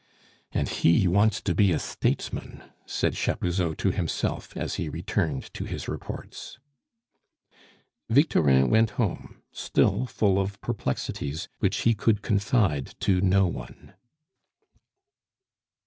"And he wants to be a statesman!" said Chapuzot to himself as he returned to his reports. Victorin went home, still full of perplexities which he could confide to no one.